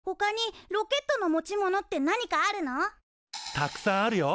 たくさんあるよ。